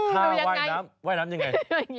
ค่าไหว้น้ำไหว้น้ำอย่างไร